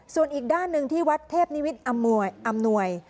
ส่วนอีกด้านหนึ่งที่วัดเทพนิมิตรอำนวย